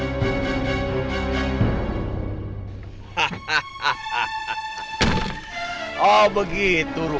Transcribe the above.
tidak ini adalah